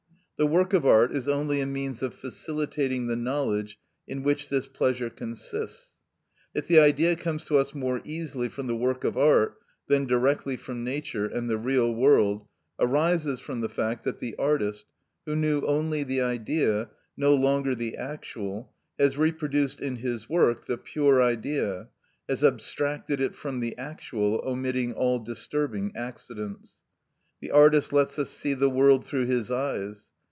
The work of art is only a means of facilitating the knowledge in which this pleasure consists. That the Idea comes to us more easily from the work of art than directly from nature and the real world, arises from the fact that the artist, who knew only the Idea, no longer the actual, has reproduced in his work the pure Idea, has abstracted it from the actual, omitting all disturbing accidents. The artist lets us see the world through his eyes.